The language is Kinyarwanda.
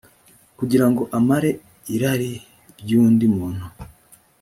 kugira ngo amare irari ry undi muntu